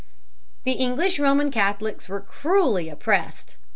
The English Roman Catholics were cruelly oppressed.